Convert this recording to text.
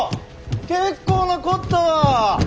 結構なこったわ！